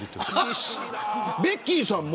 ベッキーさんも。